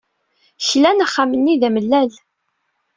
Klan axxam-nni d amellal.